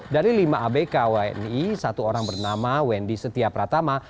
dari lima abk wni satu orang bernama wendy setia pratama